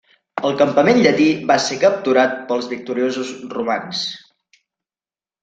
El campament llatí va ser capturat pels victoriosos romans.